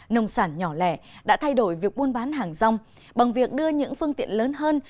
nông sản nhỏ lẻ đã thay đổi việc buôn bán hàng rong bằng việc đưa những phương tiện lớn hơn